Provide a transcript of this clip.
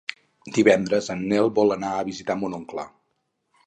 Divendres en Nel vol anar a visitar mon oncle.